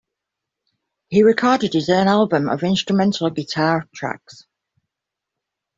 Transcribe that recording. He recorded his own album of instrumental guitar tracks.